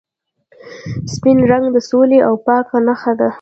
سپین رنګ د سولې او پاکۍ نښه ده.